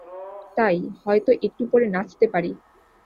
তাই, হয়তো একটু পরে নাচতে পারি।